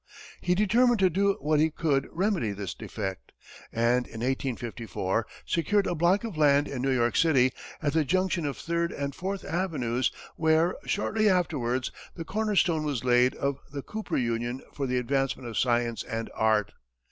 He determined to do what he could remedy this defect, and in 1854, secured a block of land in New York City, at the junction of Third and Fourth Avenues, where, shortly afterwards, the cornerstone was laid of "The Cooper Union for the Advancement of Science and Art."